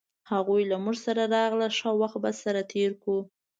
هغوی له مونږ سره راغلل ښه وخت به سره تیر کړو